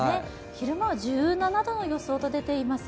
昼間は１７度の予想と出ています。